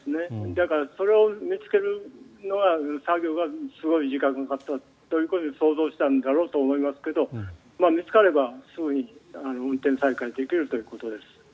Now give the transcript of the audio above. だからそれを見つける作業がすごい時間がかかると想像したんだろうと思いますが見つかればすぐに運転再開できるということです。